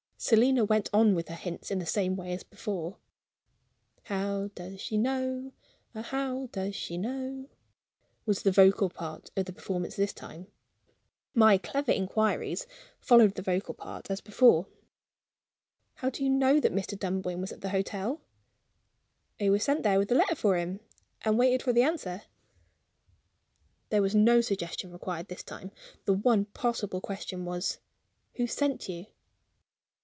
Selina went on with her hints in the same way as before. "How does she know ah, how does she know?" was the vocal part of the performance this time. My clever inquiries followed the vocal part as before: "How do you know that Mr. Dunboyne was at the hotel?" "I was sent there with a letter for him, and waited for the answer." There was no suggestion required this time. The one possible question was: "Who sent you?"